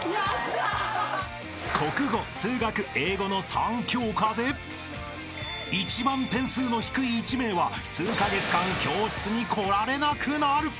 ［３教科で一番点数の低い１名は数カ月間教室に来られなくなる］